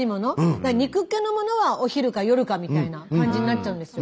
だから肉っけのものはお昼か夜かみたいな感じになっちゃうんですよ。